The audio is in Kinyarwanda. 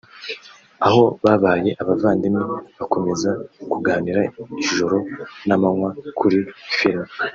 aho babaye abavandimwe bakomeza kuganira ijoro n’amanywa kuri filimi